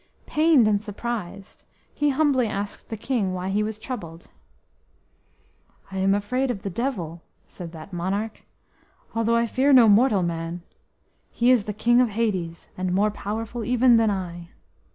Pained and surprised, he humbly asked the king why he was troubled. "I am afraid of the Devil," said that monarch, "although I fear no mortal man. He is the King of Hades, and more powerful even than I."